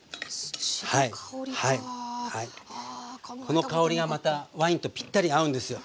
この香りがまたワインとぴったり合うんですよ。